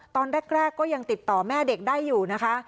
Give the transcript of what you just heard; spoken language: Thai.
ตอนแรกก็ยังติดต่อแม่เด็กได้อยู่นะคะ